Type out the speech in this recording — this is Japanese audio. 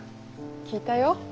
聞いたよ。